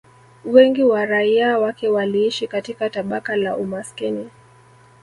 Wengi wa raia wake waliishi katika tabaka la umaskini